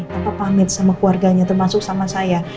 tanpa pamit sama keluarganya termasuk sama saya